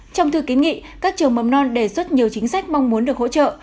trong thư kiến nghị các trường mầm non đề xuất nhiều chính sách mong muốn được hỗ trợ